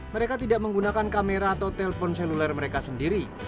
mereka tidak menggunakan kamera atau telpon seluler mereka sendiri